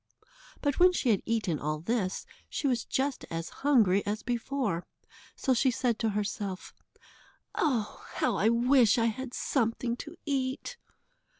But when she had eaten all this, she was just as hungry as before, so she said to herself: "Oh! how I wish I had something to eat."